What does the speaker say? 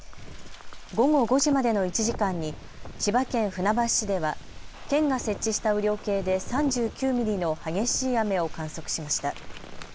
午後５時までの１時間に千葉県船橋市では県が設置した雨量計で３９ミリの激しい雨を観測しました。